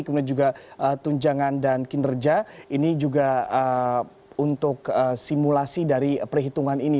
kemudian juga tunjangan dan kinerja ini juga untuk simulasi dari perhitungan ini